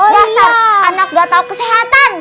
dasar anak gak tahu kesehatan